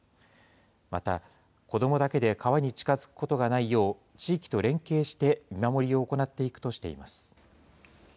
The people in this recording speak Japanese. また、子どもだけで川に近づくことがないよう、地域と連携して見守りを行っていくとしています。